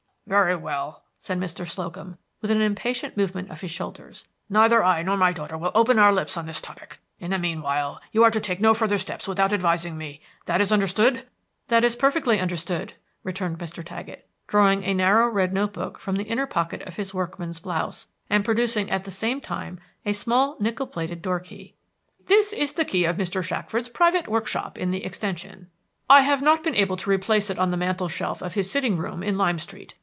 "Very well," said Mr. Slocum, with an impatient movement of his shoulders; "neither I nor my daughter will open our lips on this topic. In the mean while you are to take no further steps without advising me. That is understood?" "That is perfectly understood," returned Mr. Taggett, drawing a narrow red note book from the inner pocket of his workman's blouse, and producing at the same time a small nickel plated door key. "This is the key of Mr. Shackford's private workshop in the extension. I have not been able to replace it on the mantel shelf of his sitting room in Lime Street.